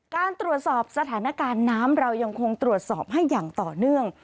การตรวจสอบสถานการณ์น้ำเรายังคงตรวจสอบให้อย่างต่อเนื่อง